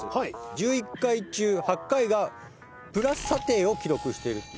「１１回中８回がプラス査定を記録しているという」